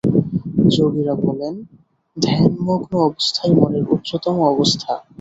যোগীরা বলেন ধ্যানমগ্ন অবস্থাই মনের উচ্চতম অবস্থা।